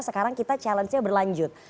sekarang kita challenge nya berlanjut